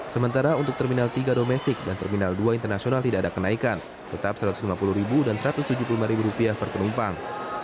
sementara untuk terminal tiga domestik dan terminal dua internasional tidak ada kenaikan tetap rp satu ratus lima puluh dan rp satu ratus tujuh puluh lima per penumpang